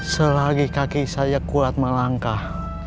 selagi kaki saya kuat melangkah